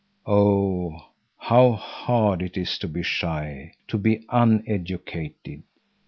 Oh, how hard it is to be shy, to be uneducated!